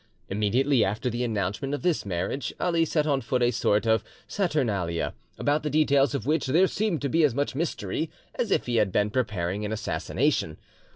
Immediately after the announcement of this marriage Ali set on foot a sort of saturnalia, about the details of which there seemed to be as much mystery as if he had been preparing an assassination.